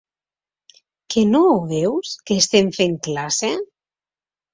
Que no ho veus, que estem fent classe?